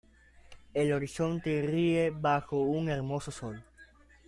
el horizonte ríe bajo un hermoso sol.